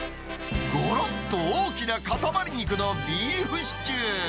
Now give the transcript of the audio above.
ごろっと大きな塊肉のビーフシチュー。